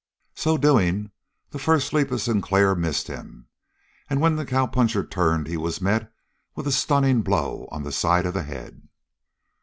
So doing, the first leap of Sinclair missed him, and when the cowpuncher turned he was met with a stunning blow on the side of the head.